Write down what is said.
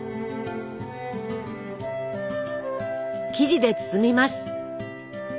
生地で包みます。